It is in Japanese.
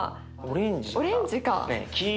オレンジかな。